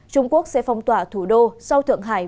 trung quốc sẽ phong tỏa thủ đô sau thượng hải